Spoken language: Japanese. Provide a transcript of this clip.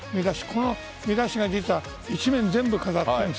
この見出しが一面全部飾ってた。